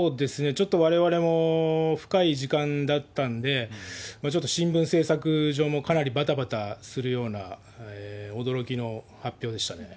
ちょっとわれわれも深い時間だったんで、ちょっと新聞製作上もちょっとかなりばたばたするような、驚きの発表でしたね。